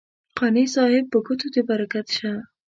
قانع صاحب په ګوتو دې برکت شه.